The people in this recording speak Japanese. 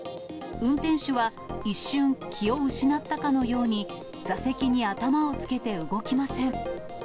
運転手は一瞬、気を失ったかのように、座席に頭をつけて動きません。